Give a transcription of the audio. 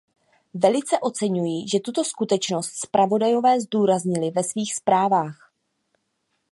Velice oceňuji, že tuto skutečnost zpravodajové zdůraznili ve svých zprávách.